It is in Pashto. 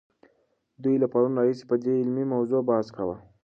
دوی له پرون راهیسې په دې علمي موضوع بحث کاوه.